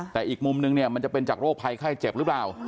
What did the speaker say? แต่อีกมุมนึงเนี่ยมันจะเป็นจากโรคภัยไข้เจ็บหรือเปล่า